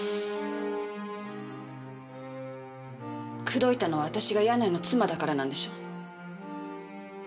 口説いたのは私が柳井の妻だからなんでしょ？